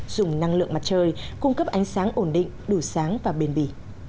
sử dụng năng lượng mặt trời cung cấp ánh sáng ổn định đủ sáng và bền bỉ